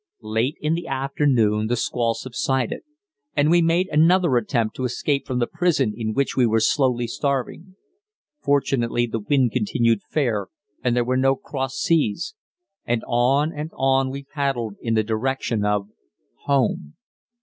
Late in the afternoon the squalls subsided, and we made another attempt to escape from the prison in which we were slowly starving. Fortunately the wind continued fair and there were no cross seas; and on and on we paddled in the direction of home!